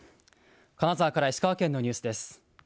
金沢から石川県のニュースです。